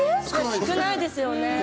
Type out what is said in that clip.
少ないですよね。